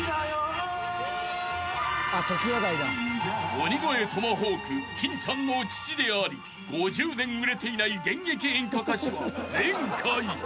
［鬼越トマホーク金ちゃんの父であり５０年売れていない現役演歌歌手は前回］